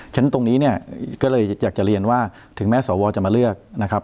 ฉะนั้นตรงนี้ก็เลยอยากจะเรียนว่าถึงแม้สวจะมาเลือก